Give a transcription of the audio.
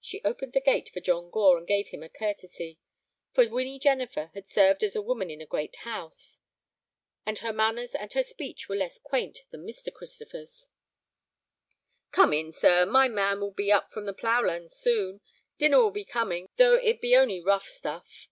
She opened the gate for John Gore and gave him a curtesy, for Winnie Jennifer had served as woman in a great house, and her manners and her speech were less quaint that Mr. Christopher's. "Come in, sir; my man will be up from the ploughland soon. Dinner will be coming, though it be only rough stuff."